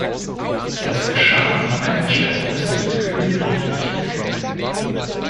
Das geschah im Einverständnis mit König Ludwig dem Kind.